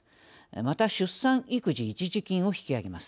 また、出産育児一時金を引き上げます。